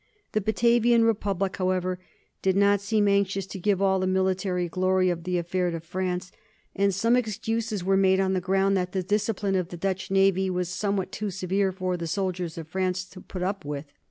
The Batavian Republic, however, did not seem anxious to give all the military glory of the affair to France, and some excuses were made on the ground that the discipline of the Dutch navy was somewhat too severe for the soldiers of France to put up with.